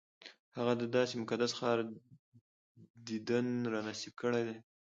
هغه د داسې مقدس ښار دیدن را نصیب کړی دی.